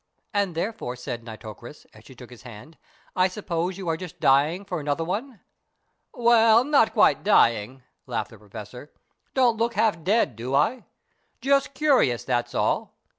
"And therefore," said Nitocris, as she took his hand, "I suppose you are just dying for another one." "Well, not quite dying," laughed the Professor. "Don't look half dead, do I? Just curious, that's all.